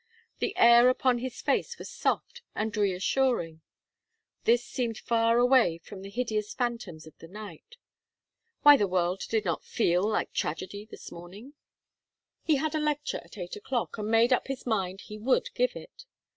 The air upon his face was soft and reassuring. This seemed far away from the hideous phantoms of the night. Why the world did not feel like tragedy this morning! He had a lecture at eight o'clock, and he made up his mind he would give it.